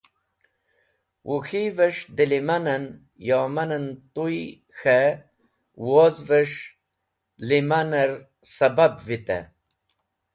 Wuk̃hivẽs̃h dẽlẽmanẽn/ yomanẽn tuy k̃hẽ wozvẽs̃h lẽmanẽr sẽbab vitẽ.